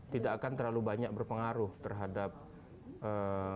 tidak akan terlalu banyak berpengaruh terhadap ee